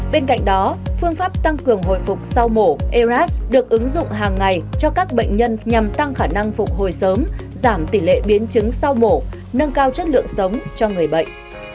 bên cạnh đó phương pháp tăng cường hồi phục sau mổ eras được ứng dụng hàng ngày cho các bệnh nhân nhằm tăng khả năng phục hồi sớm giảm tỷ lệ biến chứng sau mổ nâng cao chất lượng sống cho người bệnh